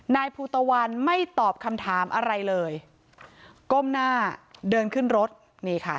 นายภูตะวันไม่ตอบคำถามอะไรเลยก้มหน้าเดินขึ้นรถนี่ค่ะ